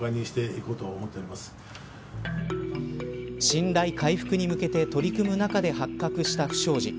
信頼回復に向けて取り組む中で発覚した不祥事。